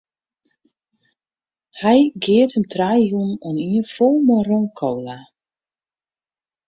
Hy geat him trije jûnen oanien fol mei rum-kola.